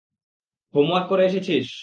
Homework করে এসেছিস?